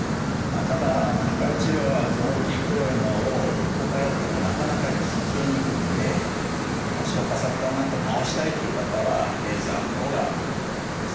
ただ光治療は大きい黒いのを５回やってもなかなか消えにくいんで多少かさぶたになっても治したいっていう方はレーザーのほうが向いてると思います。